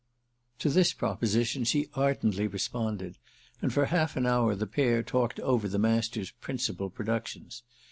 To this proposition she ardently responded, and for half an hour the pair talked over the Master's principal productions.